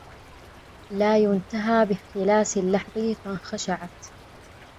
لاينتها باختلاس اللحظ فانخشعت